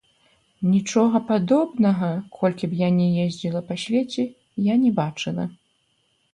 Нічога падобнага, колькі б я ні ездзіла па свеце, я не бачыла.